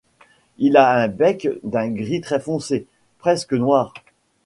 Il a un bec d'un gris très foncé, presque noir.